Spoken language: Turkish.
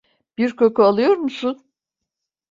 Bir koku alıyor musun?